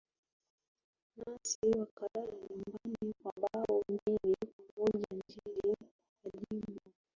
nancy wakalala nyumbani kwa bao mbili kwa moja dhidi ya lumo